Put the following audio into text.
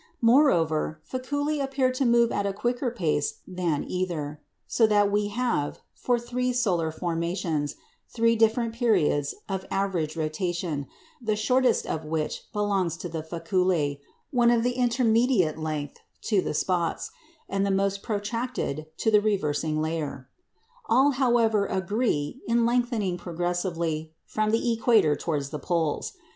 Moreover, faculæ appear to move at a quicker pace than either; so that we have, for three solar formations, three different periods of average rotation, the shortest of which belongs to the faculæ, one of intermediate length to the spots, and the most protracted to the reversing layer. All, however, agree in lengthening progressively from the equator towards the poles.